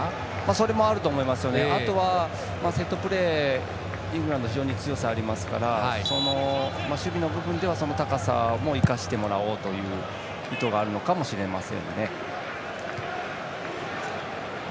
それもあると思いますがあとは、セットプレーイングランドは強さがあるので守備の部分では高さも生かしてもらおうという意図があるのかもしれませんね。